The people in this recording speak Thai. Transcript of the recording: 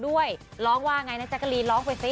ด้วยร้องว่าไงนะแจ๊กกะรีนร้องไปสิ